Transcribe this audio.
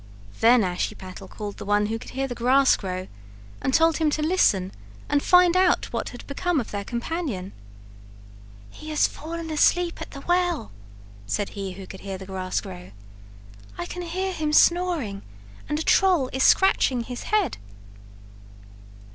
Then Ashiepattle called the one who could hear the grass grow and told him to listen and find out what had become of their companion. "He has fallen asleep at the well"," said he who could hear the grass grow; "I can hear him snoring, and a troll is scratching his head."